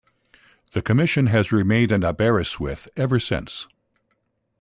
The Commission has remained in Aberystwyth ever since.